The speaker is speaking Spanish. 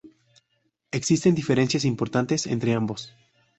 Existen diferencias importantes entre ambos.